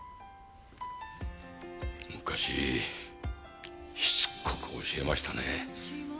昔しつこく教えましたね。